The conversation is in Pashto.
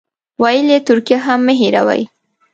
ویل یې ترکیه هم مه هېروئ.